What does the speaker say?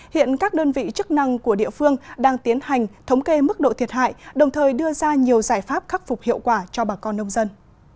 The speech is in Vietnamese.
hiện các đơn vị chức năng của địa phương đang tiến hành thống kê mức độ thiệt hại đồng thời đưa ra nhiều giải pháp khắc phục hiệu quả cho bà con nông dân